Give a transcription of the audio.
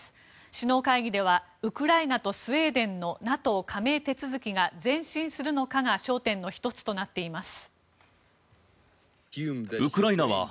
首脳会議ではウクライナとスウェーデンのＮＡＴＯ加盟手続きが前進するのかが焦点の１つとなっています。